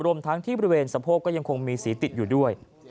รวมทั้งที่บริเวณสะโพกก็ยังคงมีสีติดอยู่ด้วย